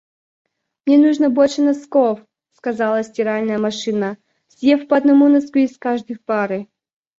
«Мне нужно больше носков!» — сказала стиральная машина, съев по одному носку из каждой пары.